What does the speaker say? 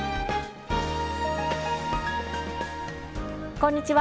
こんにちは。